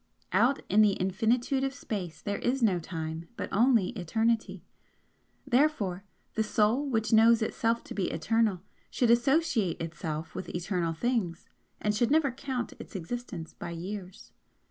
Out in the infinitude of space there is no Time, but only Eternity. Therefore the Soul which knows itself to be eternal should associate Itself with eternal things, and should never count its existence by years.